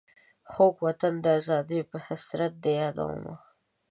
خوږ وطن د آزادیو په حسرت دي یادومه.